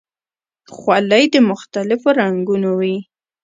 خولۍ د مختلفو رنګونو وي.